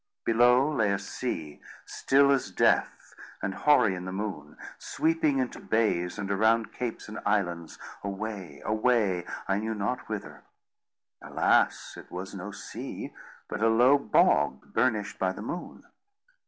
Below lay a sea, still as death and hoary in the moon, sweeping into bays and around capes and islands, away, away, I knew not whither. Alas! it was no sea, but a low bog burnished by the moon.